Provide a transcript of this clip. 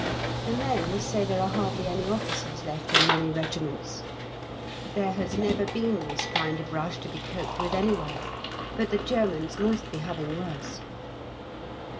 The men say there are hardly any officers left in many regiments. There has never been this kind of rush to be coped with anywhere, but the Germans must be having worse.